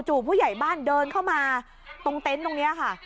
ผู้ใหญ่บ้านเดินเข้ามาตรงเต็นต์ตรงนี้ค่ะ